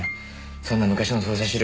そんな昔の捜査資料